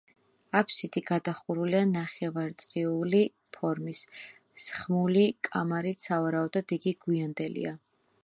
აფსიდი გადახურულია ნახევარწრიული ფორმის, სხმული კამარით სავარაუდოდ იგი გვიანდელია.